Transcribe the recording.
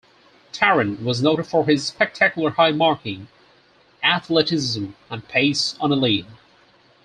Tarrant was noted for his spectacular high marking, athleticism and pace on a lead.